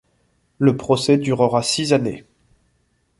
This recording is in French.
Le procès durera six années.